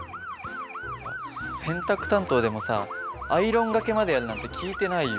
いや洗濯担当でもさアイロンがけまでやるなんて聞いてないよ。